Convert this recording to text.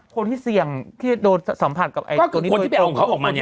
คนที่เสี่ยงที่โดนสัมผัสกับคนที่ไปเอาเขาออกมาเนี่ย